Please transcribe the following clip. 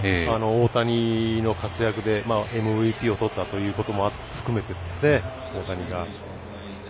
大谷の活躍でＭＶＰをとったことも含めて大谷が。